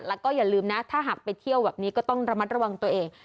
แล้วก็อย่าลืมนะถ้าหากไปเที่ยวแบบนี้ก็ต้องระมัดระวังตัวเอง